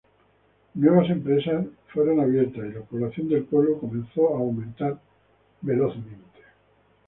Nuevas empresas fueron abiertas y la población del pueblo comenzó a aumentar velozmente.